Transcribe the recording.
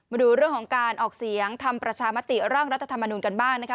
มาดูเรื่องของการออกเสียงทำประชามติร่างรัฐธรรมนุนกันบ้างนะคะ